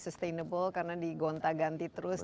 sustainable karena digonta ganti terus